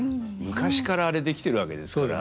昔からあれ出来てるわけですから。